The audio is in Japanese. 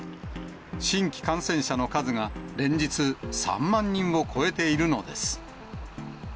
新規感染者の数が連日３万人を超えているのです。